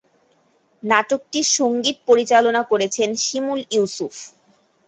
নাটকটির সঙ্গীত পরিচালনা করেছেন শিমুল ইউসুফ।